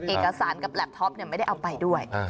เอกสารกับแล็บท็อปไม่ได้เอาไปด้วย